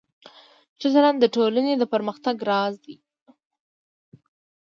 ښه چلند د ټولنې د پرمختګ راز دی.